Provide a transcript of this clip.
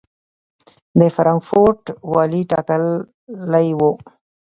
د فرانکفورټ والي ټاکلی و.